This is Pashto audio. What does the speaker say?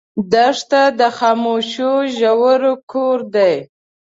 دښته د خاموشو ژورو کور دی.